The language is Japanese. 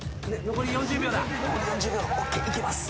残り４０秒ＯＫいけます。